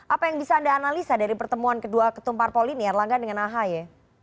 apa yang bisa anda analisa dari pertemuan kedua ketumpar poli nih erlangga dengan aha ya